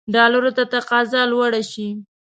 ډالرو ته تقاضا لوړه شي.